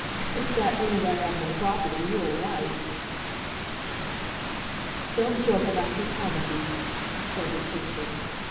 "If that means I have no property, you are right!" "Don't joke about your poverty," said his sister.